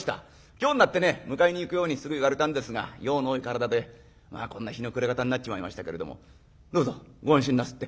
今日になってね迎えに行くようにすぐ言われたんですが用の多い体でこんな日の暮れ方になっちまいましたけれどもどうぞご安心なすって」。